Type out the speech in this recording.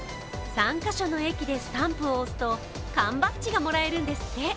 ３カ所の駅でスタンプを押すと缶バッジがもらえるんですって。